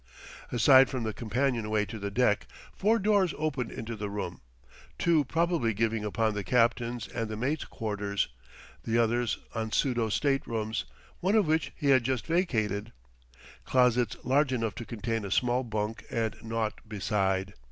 Aside from the companion way to the deck, four doors opened into the room, two probably giving upon the captain's and the mate's quarters, the others on pseudo state rooms one of which he had just vacated closets large enough to contain a small bunk and naught beside.